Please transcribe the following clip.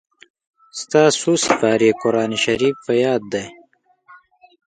ستا څو سېپارې قرآن شريف په ياد دئ.